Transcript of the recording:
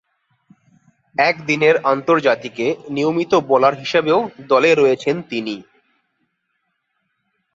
একদিনের আন্তর্জাতিকে নিয়মিত বোলার হিসেবেও দলে রয়েছেন তিনি।